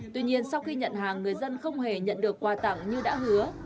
tuy nhiên sau khi nhận hàng người dân không hề nhận được quà tặng như đã hứa